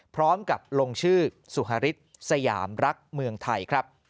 พร้อมกับลงชื่อสุฮาริสสยามรักเมืองไทยครับ